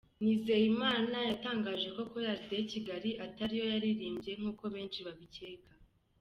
Nizeyimana yatangaje ko Chorale de Kigali atari yo yaririmbye nk’uko benshi babikeka.